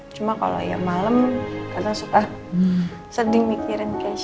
cuma kalo ya malem kadang suka sedih mikirin kece